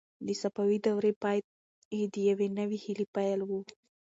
د صفوي دورې پای د یوې نوې هیلې پیل و.